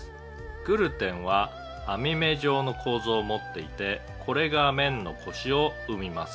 「グルテンは網目状の構造を持っていてこれが麺のコシを生みます」